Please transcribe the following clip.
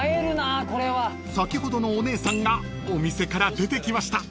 ［先ほどのお姉さんがお店から出てきました］